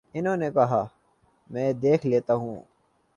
انہوں نے کہا: میں دیکھ لیتا ہوں۔